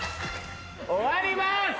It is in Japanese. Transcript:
終わります！